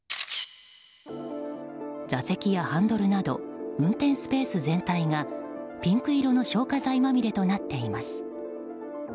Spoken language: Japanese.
座席やハンドルなど運転スペース全体がピンク色の消化剤まみれとなっています。